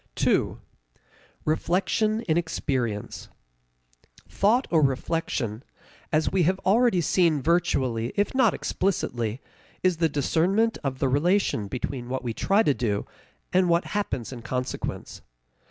2. Reflection in Experience. Thought or reflection, as we have already seen virtually if not explicitly, is the discernment of the relation between what we try to do and what happens in consequence.